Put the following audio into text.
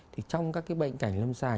thì trong các cái bệnh cảnh lâm dài